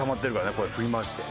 これ振り回して。